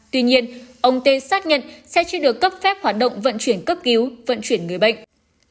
tuy nhiên ông tê xác nhận xe chưa được cấp phép hoạt động vận chuyển cấp cứu vận chuyển người bệnh